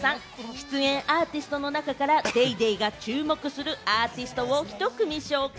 出演アーティストの中から『ＤａｙＤａｙ．』が注目するアーティストをひと組紹介。